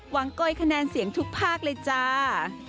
วางเก้าคะแนนเสียงทุกภาคเลยจ้า